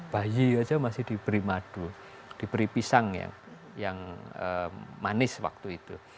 bayi aja masih diberi madu diberi pisang yang manis waktu itu